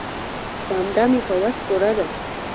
خو همدا مې په وس پوره ده.